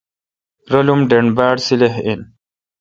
رالم ڈنڈ باڑ سیلح این۔